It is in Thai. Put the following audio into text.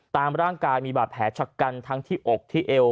ตามร่างกายมีบาดแผลชะกันทั้งที่อกที่เอว